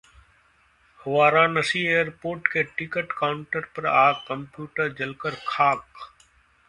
Varanasi airport के ticket counter पर आग, कंप्यूटर जलकर खाक